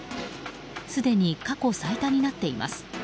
すでに過去最多になっています。